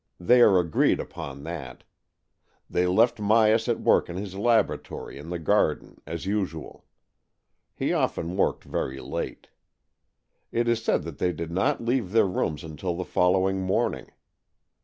They are agreed upon that. They left Myas at work in his laboratory in the garden as usual. He often worked very late. It is said that they did not leave their rooms until the following morning.